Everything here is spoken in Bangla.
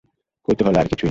কৌতূহল, আর কিছুই না।